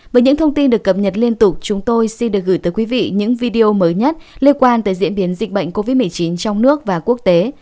với những thông tin được cập nhật liên tục chúng tôi xin được gửi tới quý vị những video mới nhất liên quan tới diễn biến dịch bệnh covid một mươi chín trong nước và quốc tế